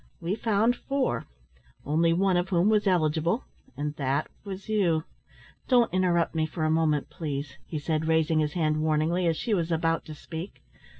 We found four, only one of whom was eligible and that was you. Don't interrupt me for a moment, please," he said, raising his hand warningly as she was about to speak.